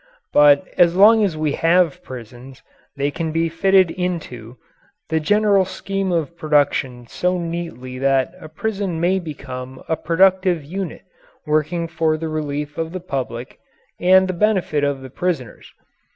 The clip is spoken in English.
But as long as we have prisons they can be fitted into the general scheme of production so neatly that a prison may become a productive unit working for the relief of the public and the benefit of the prisoners.